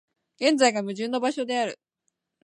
現在が矛盾の場所である。